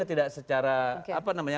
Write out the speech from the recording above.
tidak secara apa namanya